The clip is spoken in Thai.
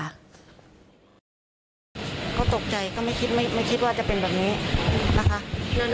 ส่วนฝั่งแม่ของนางสาวนิชชุดานะคะภรรยาหลวงแม่ของศพของศพของลูกสาวเป็นครั้งสุดท้ายด้วยเหมือนกันทีมข่าวเราได้พูดเรื่องนี้หน่อยค่ะ